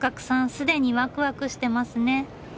すでにワクワクしてますね。